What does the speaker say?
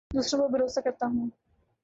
دوسروں پر بھروسہ کرتا ہوں